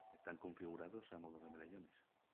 Están configurados a modo de medallones.